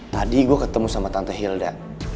tadi gue ketemu sama tante hilda